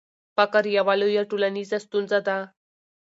فقر یوه لویه ټولنیزه ستونزه ده.